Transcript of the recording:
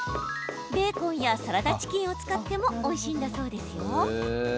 ベーコンやサラダチキンを使っても、おいしいんだそう。